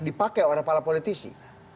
dipakai oleh para politisi